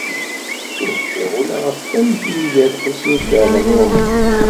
Ur cfiɣ ula ɣef wamek i iga Lḥusin n Caɛban u Ṛemḍan.